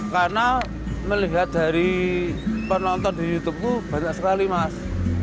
karena melihat dari penonton di youtube ku banyak sekali mas